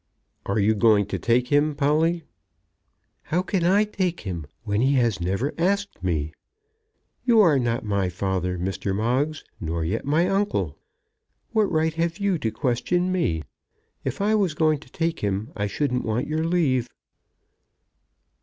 "Are you going to take him, Polly?" "How can I take him when he has never asked me? You are not my father, Mr. Moggs, not yet my uncle. What right have you to question me? If I was going to take him, I shouldn't want your leave."